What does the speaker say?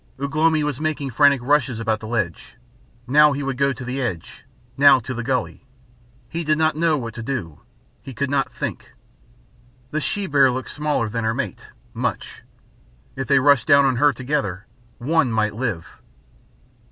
Ugh lomi was making frantic rushes about the ledge now he would go to the edge, now to the gully. He did not know what to do, he could not think. The she bear looked smaller than her mate much. If they rushed down on her together, one might live.